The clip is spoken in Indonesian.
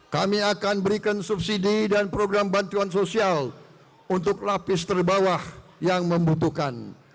kami akan berikan subsidi dan program bantuan sosial untuk lapis terbawah yang membutuhkan